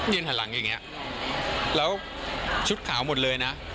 หันหลังอย่างนี้แล้วชุดขาวหมดเลยนะ